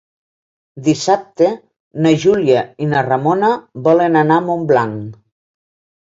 Dissabte na Júlia i na Ramona volen anar a Montblanc.